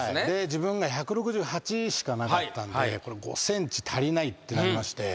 自分が１６８しかなかったんで５ｃｍ足りないってなりまして。